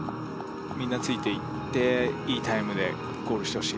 みんなついていっていいタイムでゴールしてほしいです